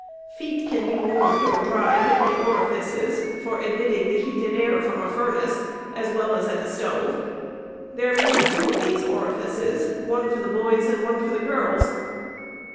Feet can be warmed or dried at the orifices for admitting the heated air from a furnace, as well as at a stove. There may be two of these orifices, one for the boys and one for the girls.